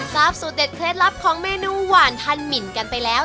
สูตรเด็ดเคล็ดลับของเมนูหวานทันหมินกันไปแล้ว